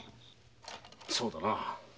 そうだな。